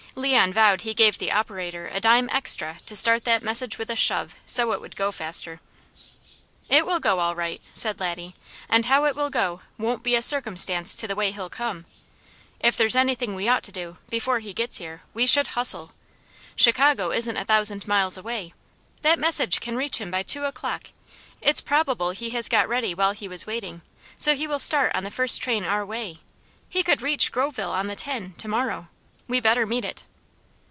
Leon vowed he gave the operator a dime extra to start that message with a shove, so it would go faster. "It will go all right," said Laddie, "and how it will go won't be a circumstance to the way he'll come. If there's anything we ought to do, before he gets here, we should hustle. Chicago isn't a thousand miles away. That message can reach him by two o'clock, it's probable he has got ready while he was waiting, so he will start on the first train our way. He could reach Groveville on the ten, to morrow. We better meet it."